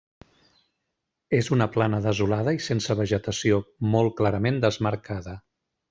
És una plana desolada i sense vegetació, molt clarament desmarcada.